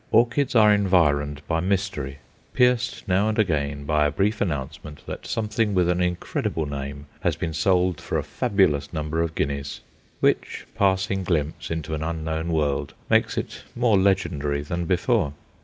Orchids are environed by mystery, pierced now and again by a brief announcement that something with an incredible name has been sold for a fabulous number of guineas; which passing glimpse into an unknown world makes it more legendary than before.